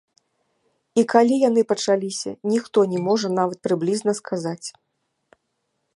І калі яны пачаліся, ніхто не можа нават прыблізна сказаць.